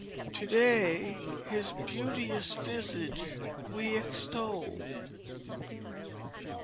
[TO DAY, HIS BEAUTEOUS VISAGE WE EXTOL.